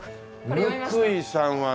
貫井さんはね